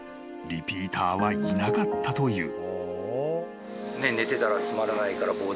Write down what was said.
リピーターはいなかったという］